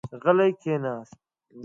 غلی کېناست.